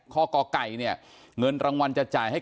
ก่อไก่เนี่ยเงินรางวัลจะจ่ายให้